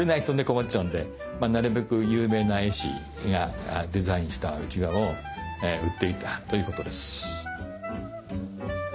困っちゃうんでなるべく有名な絵師がデザインしたうちわを売っていたということです。